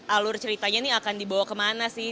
alur ceritanya ini akan dibawa kemana sih